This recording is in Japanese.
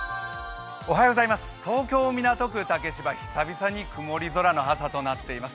東京・港区竹芝、久々に曇り空の朝となっています。